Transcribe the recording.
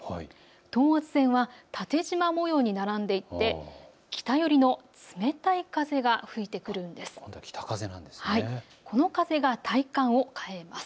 等圧線は縦じま模様に並んでいて北寄りの冷たい風が吹いてくるんです。